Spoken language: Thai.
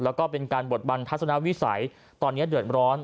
แล้วก็เป็นการบทบันทัศนวิสัยตอนนี้เดือดร้อน